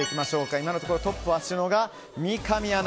今のところトップを走るのが三上アナ。